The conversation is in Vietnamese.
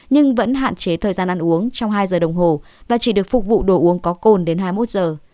nhưng vẫn hạn chế thời gian ăn uống trong hai giờ đồng hồ và chỉ được phục vụ đồ uống có cồn đến hai mươi một giờ